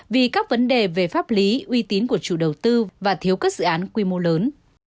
vì các vấn đề về pháp lý uy tín của chủ đầu tư và thiếu các dự án quy mô lớn